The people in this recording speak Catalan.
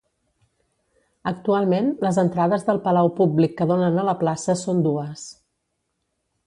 Actualment, les entrades del Palau Públic que donen a la plaça són dues.